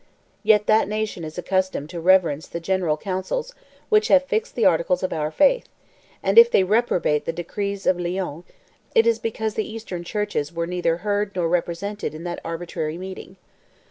Yet that nation is accustomed to reverence the general councils, which have fixed the articles of our faith; and if they reprobate the decrees of Lyons, it is because the Eastern churches were neither heard nor represented in that arbitrary meeting.